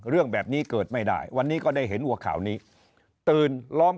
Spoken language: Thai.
เรื่องแบบนี้เกิดไม่ได้วันนี้ก็ได้เห็นหัวข่าวนี้ตื่นล้อม